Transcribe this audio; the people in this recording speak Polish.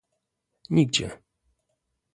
Nigdzie